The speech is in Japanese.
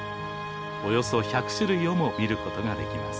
およそ１００種類をも見ることができます。